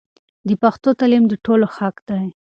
د پښتو تعلیم د ټولو حق دی.